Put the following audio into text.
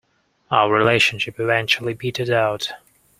Our relationship eventually petered out.